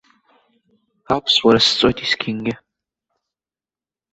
Аԥсуара сҵоит есқьынгьы.